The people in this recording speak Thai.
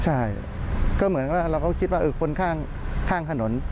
ใช่ก็เหมือนว่าเราก็คิดว่าคนข้างถนน